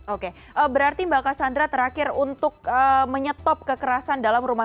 oke berarti mbak cassandra terakhir untuk menyetop kekerasan dalam rumah